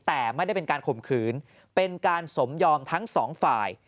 แต่ไม่ได้เป็นการข่มขืนเป็นการสมยอมทั้งสองฝ่าย